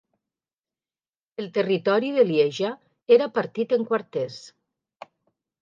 El territori de Lieja era partit en quarters.